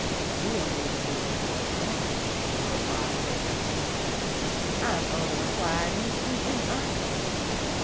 "You are leading me into a trap," I replied. "I am only requiring you to be in earnest.